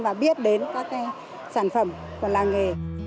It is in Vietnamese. và biết đến các sản phẩm của làng nghề